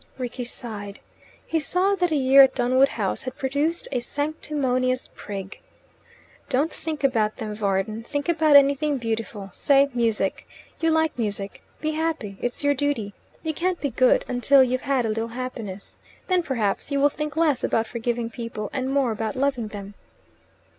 Rickie sighed. He saw that a year at Dunwood House had produced a sanctimonious prig. "Don't think about them, Varden. Think about anything beautiful say, music. You like music. Be happy. It's your duty. You can't be good until you've had a little happiness. Then perhaps you will think less about forgiving people and more about loving them."